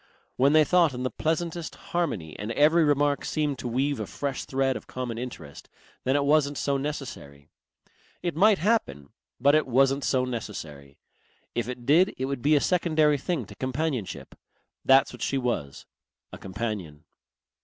When they thought in the pleasantest harmony and every remark seemed to weave a fresh thread of common interest, then it wasn't so necessary. It might happen, but it wasn't so necessary.... If it did it would be a secondary thing to companionship. That's what she was, a companion.